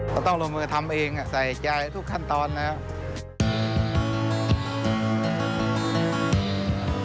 ต้องลงมือทำเองใส่ใจยายทุกขั้นตอนนะครับ